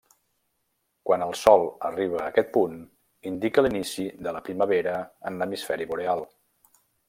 Quan el Sol arriba a aquest punt, indica l'inici de la primavera en l'hemisferi boreal.